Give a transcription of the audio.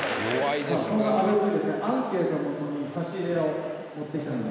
「そんな阿部君にですねアンケートをもとに差し入れを持ってきたので」